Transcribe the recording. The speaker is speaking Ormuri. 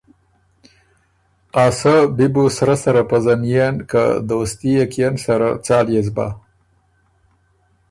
”ا سۀ بی بُو سرۀ سَرَه پزنئېن که دوستي يې کيېن سره، څال يې سُو بۀ؟“